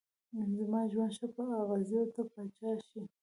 زما ژوند شه په اغزيو ته پاچا شې